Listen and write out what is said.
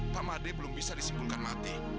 pak made belum bisa disimpulkan mati